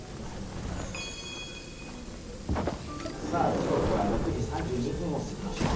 時刻は６時３２分を過ぎました。